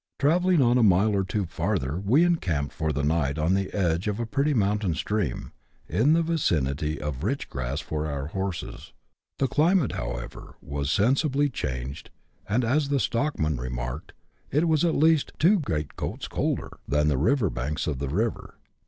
Travelling on a mile or two farther, we encamped for the night on the edge of a pretty mountain stream, in the vicinity of rich grass for our horses. The climate, however, was sensibly changed, and, as the stockman remarked, it was at least " two great coats colder " than on the banks of the river.